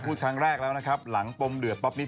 พูดครั้งแรกแล้วนะครับหลังปมเดือดป๊อปนี้